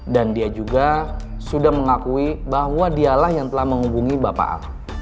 dan dia juga sudah mengakui bahwa dialah yang telah menghubungi bapak a